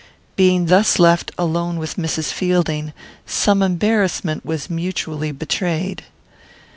Being thus left alone with Mrs. Fielding, some embarrassment was mutually betrayed.